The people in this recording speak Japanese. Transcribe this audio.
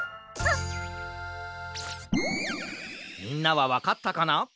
みんなはわかったかな？